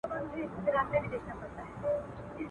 پاچهۍ له غوړه مالو پرزېدلي.